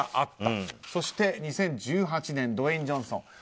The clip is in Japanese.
そして、２０１８年ドウェイン・ジョンソン。